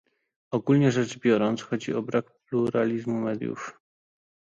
ogólnie rzecz biorąc chodzi o brak pluralizmu mediów